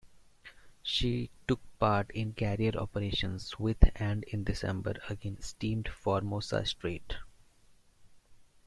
She took part in carrier operations with and in December again steamed Formosa Strait.